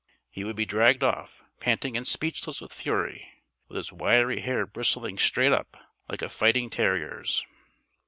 He would be dragged off, panting and speechless with fury, with his wiry hair bristling straight up like a fighting terrier's.